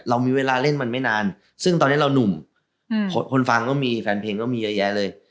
มีเวลาเล่นมันไม่นานซึ่งตอนนี้เราหนุ่มคนฟังก็มีแฟนเพลงก็มีเยอะแยะเลย